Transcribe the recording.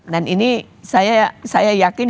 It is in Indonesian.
dan ini saya yakin